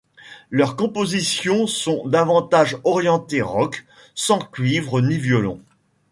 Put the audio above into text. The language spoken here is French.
Leurs compositions sont davantage orientées rock, sans cuivres ni violon.